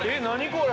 これ。